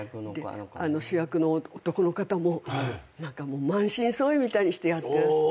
主役の男の方も満身創痍みたいにしてやってらして。